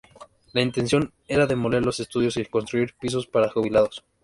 La intención era demoler los estudios y construir pisos para jubilación.